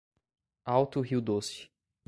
Alto Rio Doce